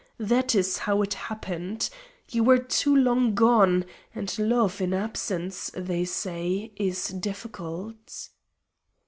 That is how it happened. You were too long gone, and love in absence, they say, is difficult."